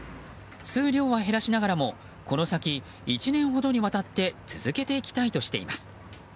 数量は減らしながらもこの先、１年ほどにわたって続けていきたいとしています。